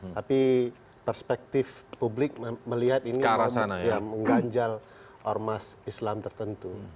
tapi perspektif publik melihat ini mengganjal ormas islam tertentu